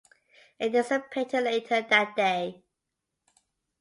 It dissipated later that day.